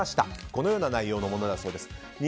このような内容のものだそうです。